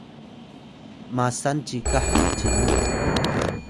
masan cikah cimu